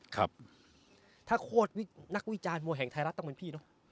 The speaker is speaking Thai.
ครับถ้าโคตรวินักวิจารณ์มวยแห่งไทยรัฐต้องเหมือนพี่เนอะ